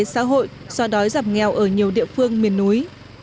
xã hội so đói giảm nghèo ở nhiều địa phương miền núi